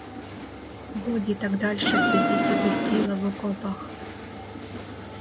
Годі так дальше сидіти без діла в окопах.